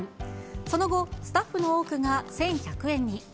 その後、スタッフの多くが１１００円に。